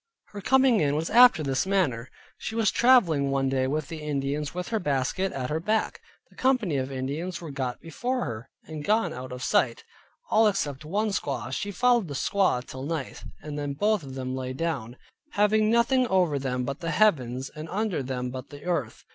Her coming in was after this manner: she was traveling one day with the Indians, with her basket at her back; the company of Indians were got before her, and gone out of sight, all except one squaw; she followed the squaw till night, and then both of them lay down, having nothing over them but the heavens and under them but the earth.